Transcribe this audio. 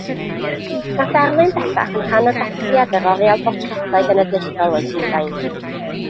Mae'r darlun bellach yn rhan o gasgliad yr Oriel Bortreadau Genedlaethol yn Llundain.